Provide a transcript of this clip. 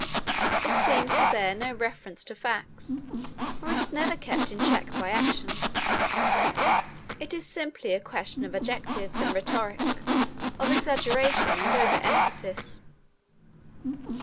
It seems to bear no reference to facts, for it is never kept in check by action. It is simply a question of adjectives and rhetoric, of exaggeration and over emphasis.